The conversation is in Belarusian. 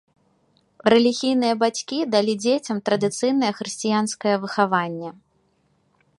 Рэлігійныя бацькі далі дзецям традыцыйнае хрысціянскае выхаванне.